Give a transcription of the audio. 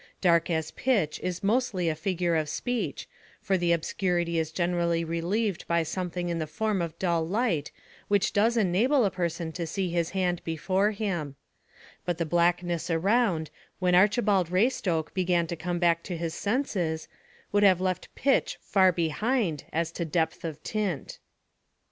Dark as pitch is mostly a figure of speech, for the obscurity is generally relieved by something in the form of dull light which does enable a person to see his hand before him; but the blackness around, when Archibald Raystoke began to come back to his senses, would have left pitch far behind as to depth of tint.